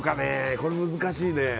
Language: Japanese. これは難しいね。